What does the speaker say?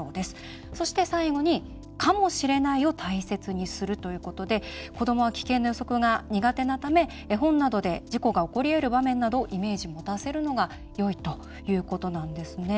そして、最後にかもしれないを大切にするということで子どもは危険の予測が苦手なため絵本などで事故が起こりうる場面などイメージを持たせるのがよいということなんですね。